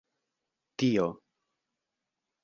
tio